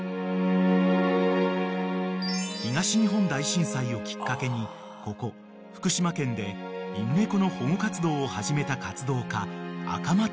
［東日本大震災をきっかけにここ福島県で犬猫の保護活動を始めた活動家］